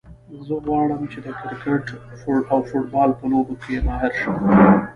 زه غواړم چې د کرکټ او فوټبال په لوبو کې ماهر شم